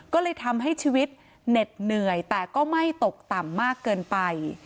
ก็เลยทำให้ชีวิตเหน็ดเหนื่อยแต่ก็ไม่ตกต่ำมากเกินไป